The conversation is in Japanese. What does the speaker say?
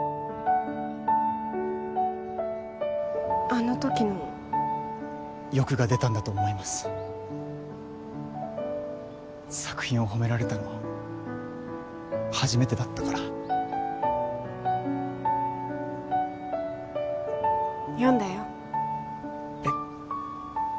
あのときの欲が出たんだと思います作品を褒められたのは初めてだったから読んだよえっ？